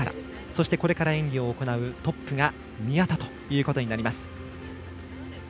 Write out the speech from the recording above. そして、これから演技を行うトップが宮田になります。